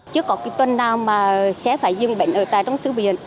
chưa có cái tuần nào mà xe phải dừng bệnh ở tại trong thư viện